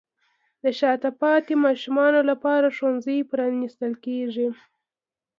د شاته پاتې ماشومانو لپاره ښوونځي پرانیستل کیږي.